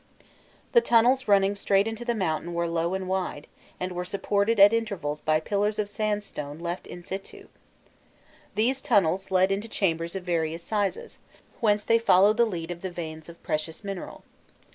The tunnels running straight into the mountain were low and wide, and were supported at intervals by pillars of sandstone left in situ. These tunnels led into chambers of various sizes, whence they followed the lead of the veins of precious mineral.